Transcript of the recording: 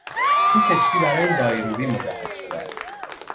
این کشتی برای لایروبی مجهز شده است.